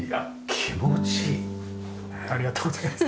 ありがとうございます。